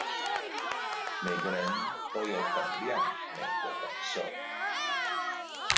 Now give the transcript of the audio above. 每個人都有等量美的感受